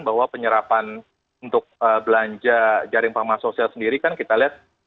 bahwa penyerapan untuk belanja jaring fahamah sosial sendiri kan kita lihat